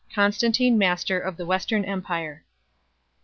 Constantino master of the Western empire.